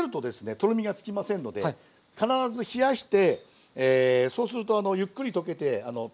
とろみがつきませんので必ず冷やしてそうするとゆっくり溶けてとろみがつきますので。